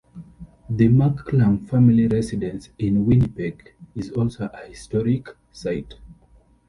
The McClung family residence in Winnipeg is also a historic site.